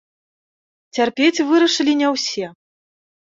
Цярпець вырашылі не ўсе.